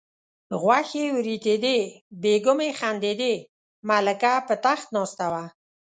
غوښې وریتېدې بیګمې خندېدې ملکه په تخت ناسته وه.